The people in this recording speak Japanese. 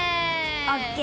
ＯＫ。